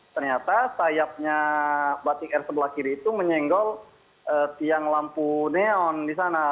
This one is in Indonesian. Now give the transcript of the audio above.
ternyata sayapnya batik air sebelah kiri itu menyenggol tiang lampu neon di sana